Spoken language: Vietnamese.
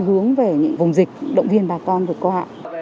hướng về những vùng dịch động viên bà con vượt qua ạ